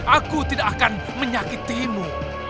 aku tidak akan menyakitimu